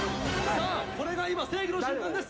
さあ、これが今、世紀の瞬間です。